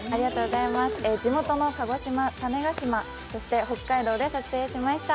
地元の鹿児島、種子島、そして北海道で撮影しました。